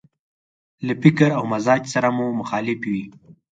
له فکر او مزاج سره مو مخالف وي.